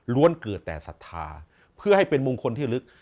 เกิดแต่ศรัทธาเพื่อให้เป็นมงคลที่ลึก